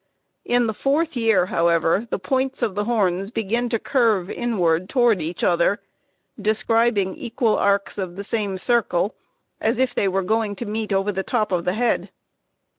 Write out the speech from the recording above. In the fourth year, however, the points of the horns begin to curve inward toward each other, describing equal arcs of the same circle, as if they were going to meet over the top of the head.